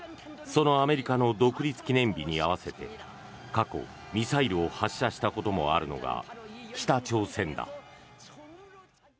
そのアメリカの独立記念日に合わせて過去、ミサイルを発射したこともあるのが北朝鮮だ。